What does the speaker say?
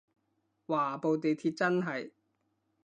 嘩部地鐵真係